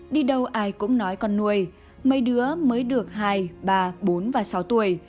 đi đâu ai cũng nói con nuôi mấy đứa mới được hai ba bốn và sáu tuổi